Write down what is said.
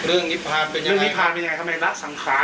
อืมต้องปฏิบัตินานนะครับท่านครับ